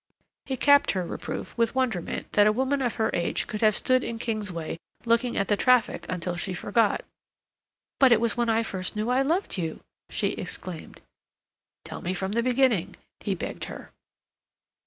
He capped her reproof with wonderment that a woman of her age could have stood in Kingsway looking at the traffic until she forgot. "But it was then I first knew I loved you!" she exclaimed. "Tell me from the beginning," he begged her.